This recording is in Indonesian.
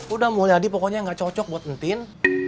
udah mulia di pokoknya nggak cocok buat nenek tin